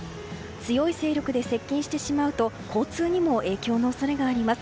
強い勢力で接近してしまうと交通にも影響の恐れがあります。